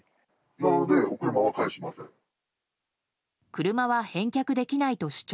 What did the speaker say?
車は返却できないと主張。